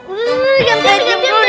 udah udah gantian dulu